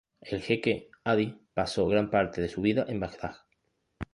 El Jeque Adi pasó gran parte de su vida en Bagdad.